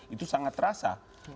itu sangat terasa